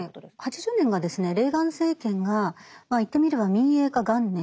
８０年がですねレーガン政権が言ってみれば民営化元年と呼ばれてるんですね。